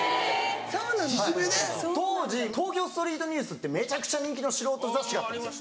当時『東京ストリートニュース！』ってめちゃくちゃ人気の素人雑誌があったんですよ。